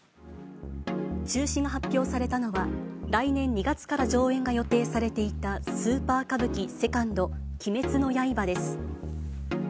中止が発表されたのは、来年２月から上演が予定されていた、スーパー歌舞伎ＩＩ鬼滅の刃です。